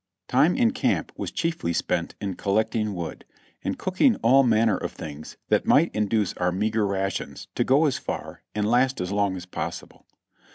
Time in camp was chiefly spent in collecting wood, and cook ing all manner of things that might induce our meager rations to go as far and last as long as possible.